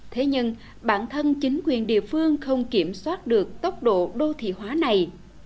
thế nhưng bản thân chính quyền địa phương không kiểm soát được tốc độ đô thị hóa này